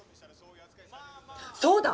そうだ！